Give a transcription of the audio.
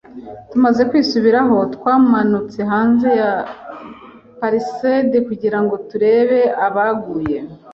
Tumaze kwisubiraho, twamanutse hanze ya palisade kugirango turebe abaguye